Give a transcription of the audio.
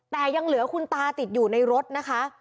แต่ยังเหลือคุณตาติดอยู่ในรถนะคะ